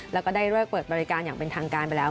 แล้วก็ได้เลิกเปิดบริการอย่างเป็นทางการไปแล้ว